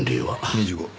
２５。